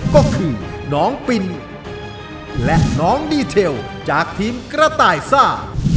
ก็คือน้องปินและน้องดีเทลจากทีมกระต่ายซ่า